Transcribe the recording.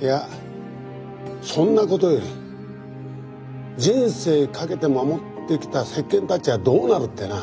いやそんなことより人生懸けて守ってきた石鹸たちはどうなるってな。